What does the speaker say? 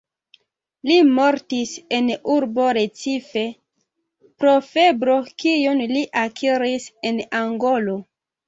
Li mortis en urbo Recife, pro febro kiun li akiris en Angolo.